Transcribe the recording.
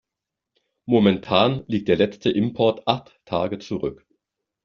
Momentan liegt der letzte Import acht Tage zurück.